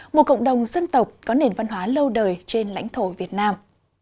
một cộng đồng dân tộc có nền văn hóa lâu đời trên lãnh thổ việt nam